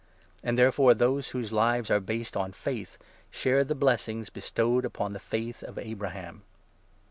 And, therefore, those whose lives are based on faith share the 9 blessings bestowed upon the faith of Abraham.